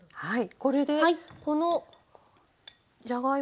はい。